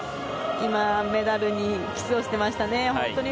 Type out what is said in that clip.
今、メダルにキスをしていましたね。